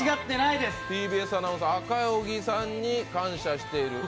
ＴＢＳアナウンサー・赤荻さんに感謝している。